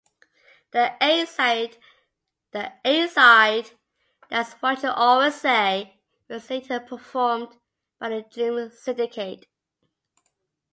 The A-side, "That's What You Always Say," was later performed by the Dream Syndicate.